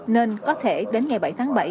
nên có thể đến ngày bảy tháng bảy